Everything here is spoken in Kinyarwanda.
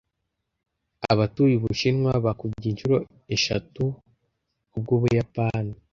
Abatuye Ubushinwa bakubye inshuro eshatu ubw'Ubuyapani.